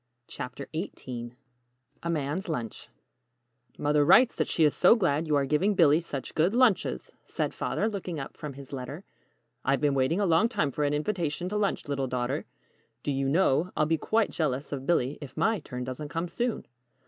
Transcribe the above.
] CHAPTER XVIII A MAN'S LUNCH "MOTHER writes that she is so glad you are giving Billy such good lunches," said Father, looking up from his letter. "I've been waiting a long time for an invitation to lunch, little daughter. Do you know, I'll be quite jealous of Billy if my turn doesn't come soon!"